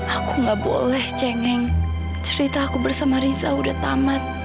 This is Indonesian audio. aku gak boleh cengeng cerita aku bersama riza udah tamat